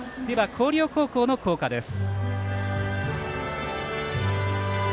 広陵高校の校歌です。